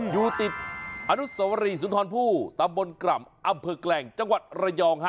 อยู่ติดอนุสวรีสุนทรผู้ตำบลกร่ำอำเภอแกลงจังหวัดระยองฮะ